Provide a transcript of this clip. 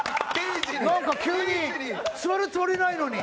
なんか急に座るつもりないのに。